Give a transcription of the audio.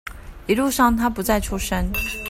一路上他不再出聲